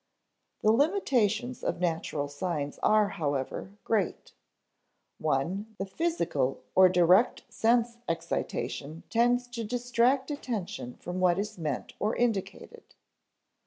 The limitations of natural signs are, however, great. (i) The physical or direct sense excitation tends to distract attention from what is meant or indicated.